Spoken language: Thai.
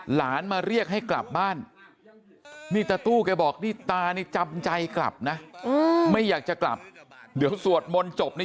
หลานมาเรียกให้กลับบ้านนี่ตาตู้แกบอกนี่ตานี่จำใจกลับนะไม่อยากจะกลับเดี๋ยวสวดมนต์จบนี่